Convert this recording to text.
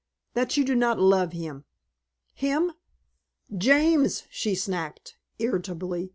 "That you do not love him." "Him?" "James," she snapped irritably.